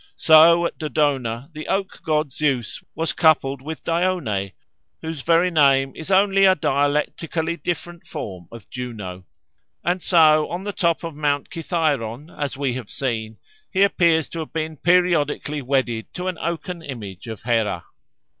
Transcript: So at Dodona the oak god Zeus was coupled with Dione, whose very name is only a dialectically different form of Juno; and so on the top of Mount Cithaeron, as we have seen, he appears to have been periodically wedded to an oaken image of Hera.